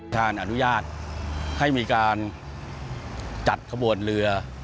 การอนุญาตให้มีการจัดขบวนเรือ